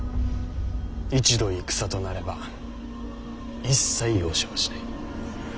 一度戦となれば一切容赦はしない。